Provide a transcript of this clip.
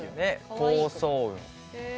高層雲。